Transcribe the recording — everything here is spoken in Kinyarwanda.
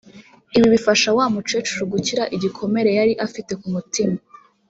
ibi bifasha wa mukecuru gukira igikomere yari afite ku mutima